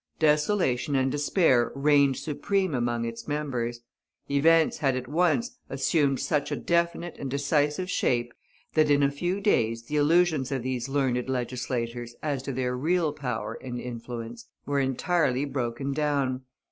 Desolation and despair reigned supreme among its members; events had at once assumed such a definite and decisive shape that in a few days the illusions of these learned legislators as to their real power and influence were entirely broken down.